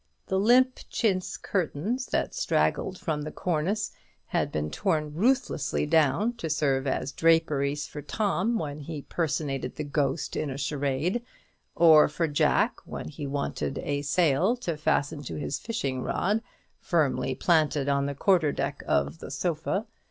The limp chintz curtains that straggled from the cornice had been torn ruthlessly down to serve as draperies for Tom when he personated the ghost in a charade, or for Jack when he wanted a sail to fasten to his fishing rod, firmly planted on the quarter deck of the sofa.